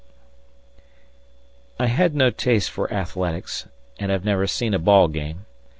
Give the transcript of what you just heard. I had no taste for athletics and have never seen a ball game.